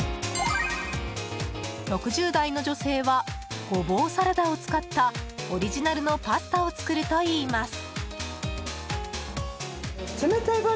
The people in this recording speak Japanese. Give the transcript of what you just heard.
６０代の女性はゴボウサラダを使ったオリジナルのパスタを作るといいます。